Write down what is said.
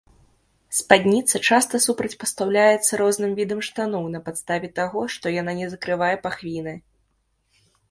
Спадніца часта супрацьпастаўляецца розным відам штаноў на падставе таго, што яна не закрывае пахвіны.